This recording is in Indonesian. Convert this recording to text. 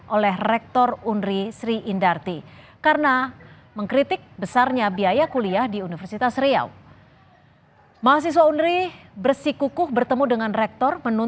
oleh rektor unri sri indarti karena mengkritik besarnya biaya kuliah di universitas riau